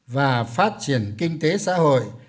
và phát triển kinh tế xã hội